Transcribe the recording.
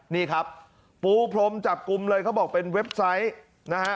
นี่ครับปูพรมจับกลุ่มเลยเขาบอกเป็นเว็บไซต์นะฮะ